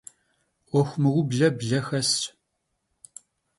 'Uexu mıuble ble xesş.